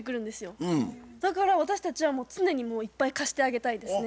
だから私たちは常にいっぱい貸してあげたいですね。